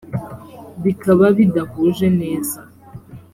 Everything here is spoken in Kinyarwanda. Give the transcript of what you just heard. bikaba bidahuje neza